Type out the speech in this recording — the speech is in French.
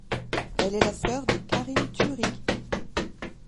Elle est la sœur de Karin Thürig.